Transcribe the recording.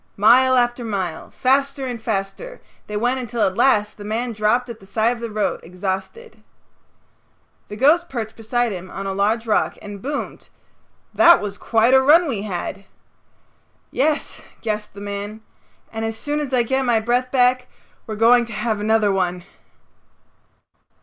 Mile after mile, faster and faster, they went until at last the man dropped at the side of the road exhausted. The ghost perched beside him on a large rock and boomed, "That was quite a run we had." "Yes" gasped the man, "and as soon as I get my breath we're going to have another one."